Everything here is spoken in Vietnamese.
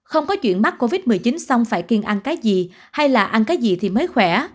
không có chuyện mắc covid một mươi chín xong phải kiên ăn cái gì hay là ăn cái gì thì mới khỏe